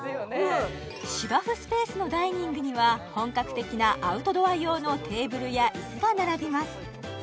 芝生スペースのダイニングには本格的なアウトドア用のテーブルやイスが並びます